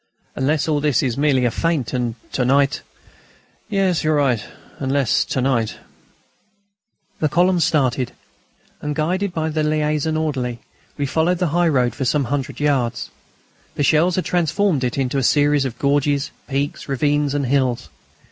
"Unless all this is merely a feint, and to night ..." "Yes, you're right, unless to night ..." The column started, and, guided by the liaison orderly, we followed the high road for some hundred yards. The shells had transformed it into a series of gorges, peaks, ravines, and hills.